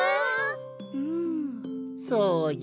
うんそうじゃな。